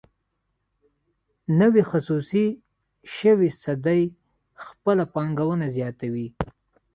نوې خصوصي شوې تصدۍ خپله پانګونه زیاتوي.